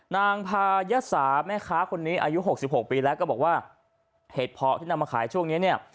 นางพายะสาแม่ค้าคนนี้อายุ๖๖ปีแล้วก็บอกว่าเห็ดเพาะที่นำมาขายช่วงนี้เนี่ย